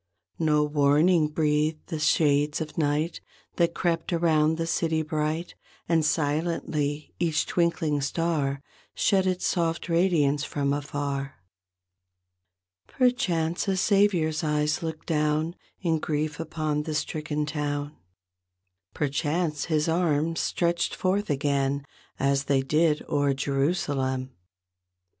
No warning breathed the shades of night That crept around the city bright, And silently each twinkling star Shed its soft radiance from afar. Perchance a Savior's eyes looked down In grief upon the stricken town. Perchance His arms stretched forth again As they did o'er Jerusalem.